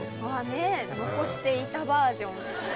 ねっ残していたバージョン。